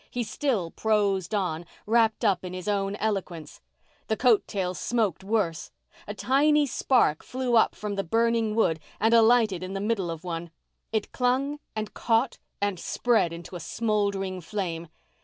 He still prosed on, wrapped up in his own eloquence. The coat tails smoked worse. A tiny spark flew up from the burning wood and alighted in the middle of one. It clung and caught and spread into a smouldering flame.